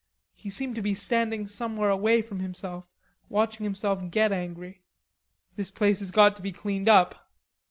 He seemed to be standing somewhere away from himself watching himself get angry. "This place has got to be cleaned up....